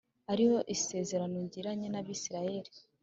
ari yo isezerano ngiranye nabisiraheli